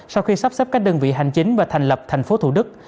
sau khi sắp xếp các đơn vị hành chính và thành lập thành phố thủ đức